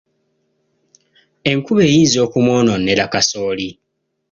Enkuba eyinza okumwonoonera kasooli.